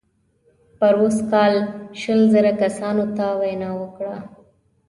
پروسږ کال شل زره کسانو ته وینا وکړه.